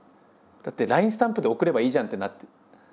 だってＬＩＮＥスタンプで送ればいいじゃんってなって。